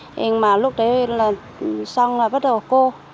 nhưng mà lúc đấy là xong là bắt đầu cô